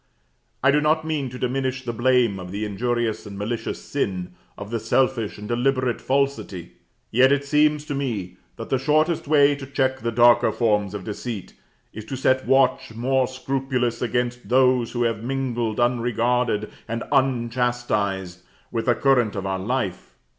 I do not mean to diminish the blame of the injurious and malicious sin, of the selfish and deliberate falsity; yet it seems to me, that the shortest way to check the darker forms of deceit is to set watch more scrupulous against those which have mingled, unregarded and unchastised, with the current of our life.